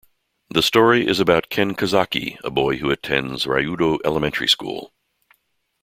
The story is about Ken Kazaki, a boy who attends Ryudo Elementary School.